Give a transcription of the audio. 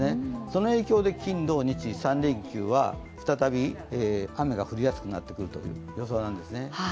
その影響で金土日、３連休は再び雨が降りやすくなってくるという予想なんですね。